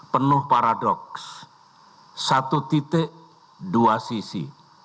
penuh paradoks satu titik dua sisi